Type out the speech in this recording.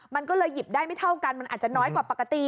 มันก็เลยหยิบได้ไม่เท่ากันมันอาจจะน้อยกว่าปกติ